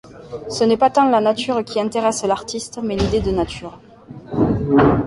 Ce n’est pas tant la nature qui intéresse l’artiste mais l’idée de nature.